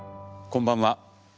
こんばんは。